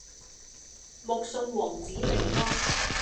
目送王子離開